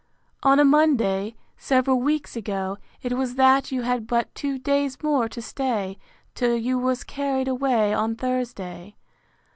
On a Monday, several weeks ago, it was that you had but two days more to stay, till you was carried away on Thursday.